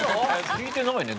聞いてないね。